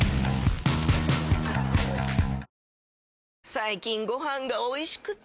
最近ご飯がおいしくて！